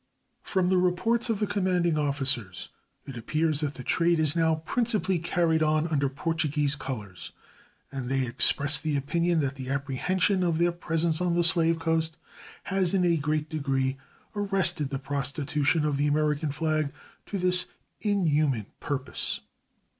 From the reports of the commanding officers it appears that the trade is now principally carried on under Portuguese colors, and they express the opinion that the apprehension of their presence on the slave coast has in a great degree arrested the prostitution of the American flag to this inhuman purpose.